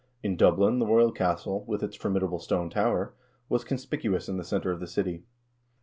In Dublin the royal castle, with its formidable stone tower, was conspicu ous in the center of the city.